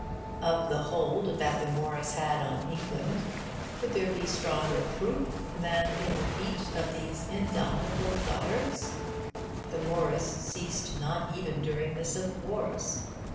Of the hold that the Morris had on England, could there be stronger proof than in the feat of these indomitable dotards? The Morris ceased not even during the Civil Wars.